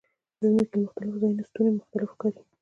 د ځمکې له مختلفو ځایونو ستوري مختلف ښکاري.